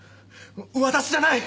私じゃない！